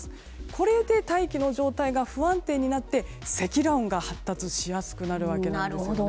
これで大気の状態が不安定になって積乱雲が発達しやすくなるわけです。